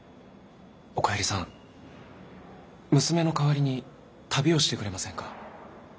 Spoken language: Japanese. おかえりさん娘の代わりに旅をしてくれませんか。